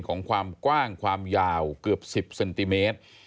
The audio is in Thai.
ความกว้างความยาวเกือบ๑๐เซนติเมตร